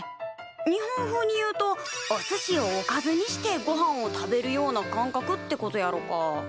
日本風に言うとおすしをおかずにしてごはんを食べるような感覚ってことやろか。